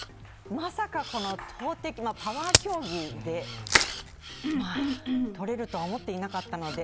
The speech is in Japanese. まさかこの投てき、パワー競技でとれるとは思っていなかったので。